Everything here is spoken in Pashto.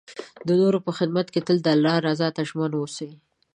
د نور په خدمت کې تل د الله رضا ته ژمن اوسئ.